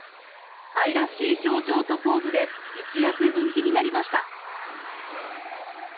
愛らしい表情とポーズで一躍人気になりました。